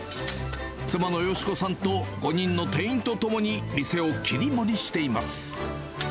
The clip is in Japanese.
妻のヨシ子さんと５人の店員と共に店を切り盛りしています。